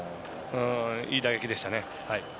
いい打撃でしたね。